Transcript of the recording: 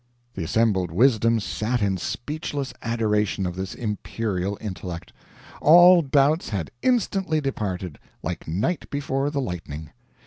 The assembled wisdom sat in speechless adoration of this imperial intellect. All doubts had instantly departed, like night before the lightning.